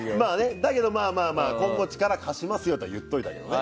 だけど、今後力を貸しますよとは言っといたけどね。